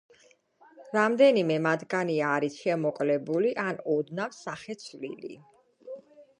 რამდენიმე მათგანი არის შემოკლებული ან ოდნავ სახეცვლილი.